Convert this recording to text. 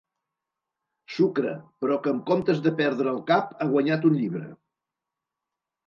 Sucre, però que en comptes de perdre el cap ha guanyat un llibre.